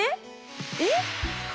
えっ？